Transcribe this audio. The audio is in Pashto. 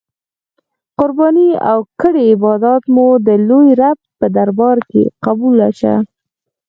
قربانې او کړی عبادات مو د لوی رب په دربار کی قبول شه.